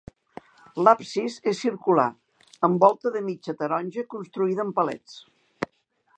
L'absis és circular, amb volta de mitja taronja construïda amb palets.